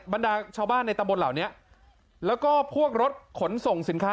บรรดาชาวบ้านในตำบลเหล่านี้แล้วก็พวกรถขนส่งสินค้า